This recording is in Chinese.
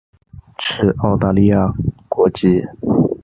持澳大利亚国籍。